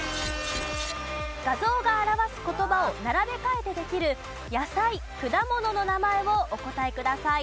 画像が表す言葉を並べ替えてできる野菜・果物の名前をお答えください。